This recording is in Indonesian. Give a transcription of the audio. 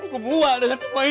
aku buah dengan semua ini